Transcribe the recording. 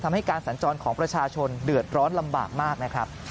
ทำให้การสัญจรของประชาชนเดือดร้อนลำบากมากนะครับ